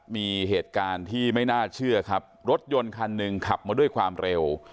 มีเหตุการณ์ที่ไม่น่าเชื่อครับรถยนต์คันหนึ่งขับมาด้วยความเร็ว